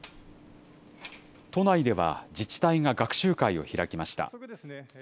都内では、自治体が学習会を開きました。